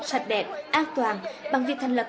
sạch đẹp an toàn bằng việc thành lập